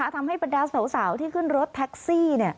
ทำให้บรรดาสาวที่ขึ้นรถแท็กซี่